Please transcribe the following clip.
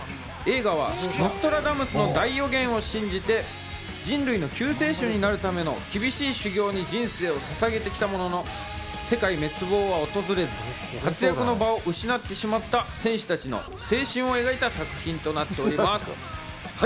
映画はノストラダムスの大予言を信じて、人類の救世主になるための厳しい修行に人生をささげてきたものの、世界滅亡は訪れず活躍の場を失ってしまった戦士たちの青春を描いた作品となっております。